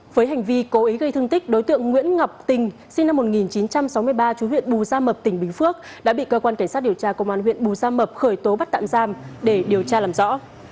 với hành vi cố ý gây thương tích đối tượng nguyễn ngọc tình sinh năm một nghìn chín trăm sáu mươi ba chú huyện bù gia mập tỉnh bình phước đã bị cơ quan cảnh sát điều tra công an huyện bù gia mập khởi tố bắt tạm giam để điều tra làm rõ